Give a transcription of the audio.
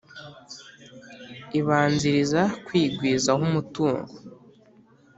ibanziriza kwigwizaho umutungo.